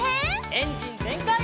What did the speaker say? エンジンぜんかい！